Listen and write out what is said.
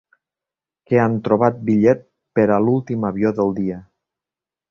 Que han trobat bitllet per a l'últim avió del dia.